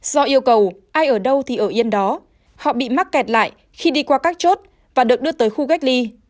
do yêu cầu ai ở đâu thì ở yên đó họ bị mắc kẹt lại khi đi qua các chốt và được đưa tới khu cách ly